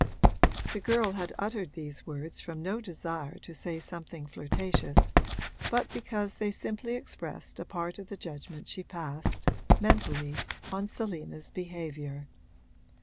The girl had uttered these words from no desire to say something flirtatious, but because they simply expressed a part of the judgment she passed, mentally, on Selina's behaviour.